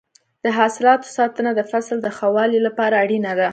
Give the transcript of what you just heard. د حاصلاتو ساتنه د فصل د ښه والي لپاره اړینه ده.